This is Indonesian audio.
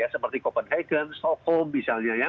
seperti copenhagen stockhome misalnya ya